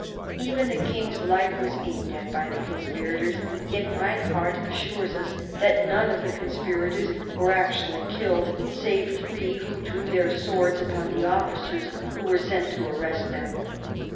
Even the king's life was aimed at by the conspirators, yet Einhard assures us that none of the conspirators were actually killed save three who drew their swords upon the officers who were sent to arrest them.